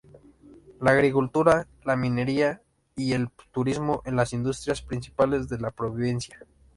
La agricultura, la minería y el turismo son las industrias principales de la provincia.